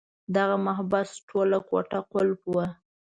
دغه محبس ټول کوټه قلف وو.